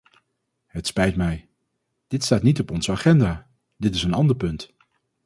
Het spijt mij, dit staat niet op onze agenda, dit is een ander punt.